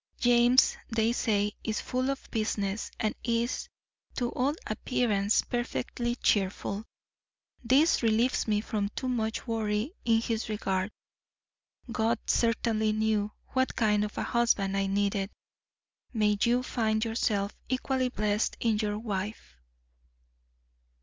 James, they say, is full of business and is, to all appearance, perfectly cheerful. This relieves me from too much worry in his regard. God certainly knew what kind of a husband I needed. May you find yourself equally blessed in your wife.